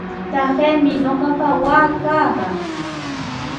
Taqaymi ñuqapa waakaqa.